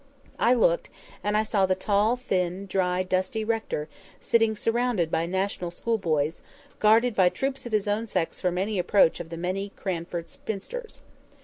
I looked, and I saw the tall, thin, dry, dusty rector, sitting surrounded by National School boys, guarded by troops of his own sex from any approach of the many Cranford spinsters.